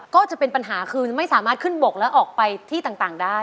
ก็จะเป็นปัญหาคือไม่สามารถขึ้นบกแล้วออกไปที่ต่างได้